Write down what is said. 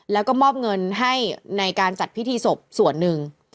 แล้วก็มอบเงินให้ในการจัดพิธีศพส่วนหนึ่ง